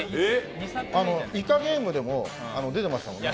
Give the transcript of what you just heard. イカゲームでも出てましたもんね。